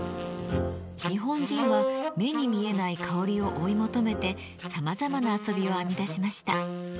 日本人は、目に見えない香りを追い求めてさまざまな遊びを編み出しました。